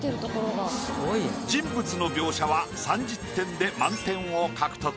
人物の描写は３０点で満点を獲得。